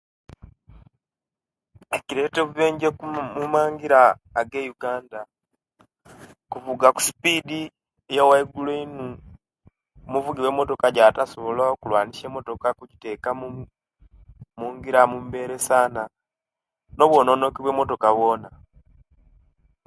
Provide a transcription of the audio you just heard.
Ekiretere obubenje omumangira ege Uganda, kuvuga kusipidi yowaigulu eino, omuvugi wemotoka ejatasobola kulwanisia emotoka okuteka omungira omumberi esaana; nebononoki obwe emotoka bwona.